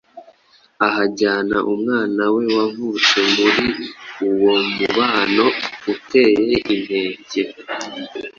ahajyana umwana we wavutse muri uwo mubano uteye inkeke?